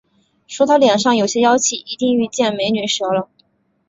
说他脸上有些妖气，一定遇见“美女蛇”了